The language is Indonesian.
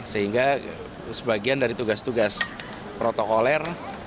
sehingga sebagian dari tugas tugas protokoler